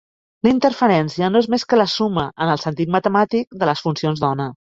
La interferència no és més que la suma, en el sentit matemàtic, de les funcions d'ona.